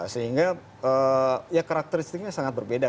sehingga ya karakteristiknya sangat berbeda